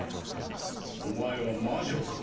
お前は魔女か？